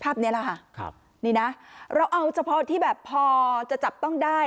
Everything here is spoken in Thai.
นี้แหละค่ะครับนี่นะเราเอาเฉพาะที่แบบพอจะจับต้องได้